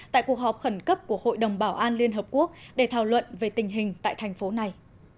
tại cuộc họp khẩn cấp của hội đồng bảo an liên hợp quốc để thảo luận về tình hình tại thành phố này